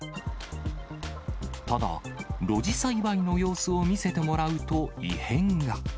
ただ、露地栽培の様子を見せてもらうと、異変が。